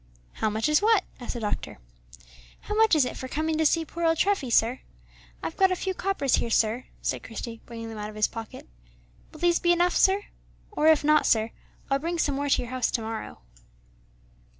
"How much is what?" asked the doctor. "How much is it for coming to see poor old Treffy, sir? I've got a few coppers here, sir," said Christie, bringing them out of his pocket; "will these be enough, sir? or, if not, sir, I'll bring some more to your house to morrow."